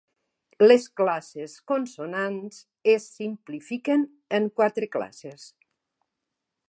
Les classes consonants es simplifiquen en quatre classes.